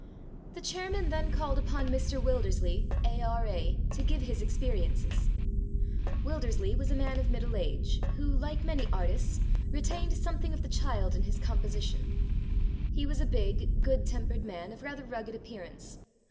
The chairman then called upon Mr Wilders ley, A.R.A., to give his experiences. . Wildersley was a man of middle age who, like manv artists, retained something of the 46 The Free Meal Problem child in his composition. He was a big, good tempered man of rather rugged appear ance.